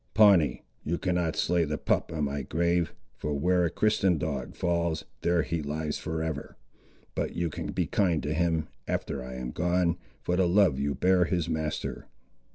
Pawnee, you cannot slay the pup on my grave, for where a Christian dog falls, there he lies for ever; but you can be kind to him, after I am gone, for the love you bear his master."